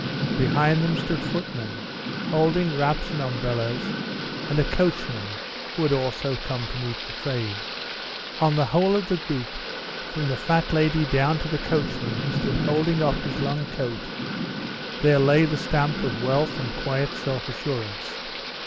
Behind them stood footmen, holding wraps and umbrellas, and a coachman, who had also come to meet the train. On the whole of the group, from the fat lady down to the coachman who stood holding up his long coat, there lay the stamp of wealth and quiet self assurance.